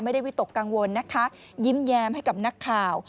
วิตกกังวลนะคะยิ้มแย้มให้กับนักข่าว